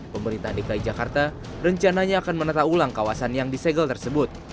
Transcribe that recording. pemerintah dki jakarta rencananya akan menata ulang kawasan yang disegel tersebut